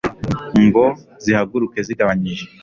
ngo zihaguruke zigabanyije